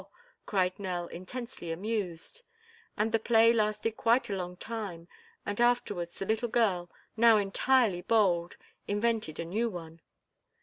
cried Nell, intensely amused. And the play lasted quite a long time and afterwards the little girl, now entirely bold, invented a new one.